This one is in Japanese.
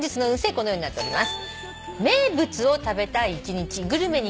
このようになっております。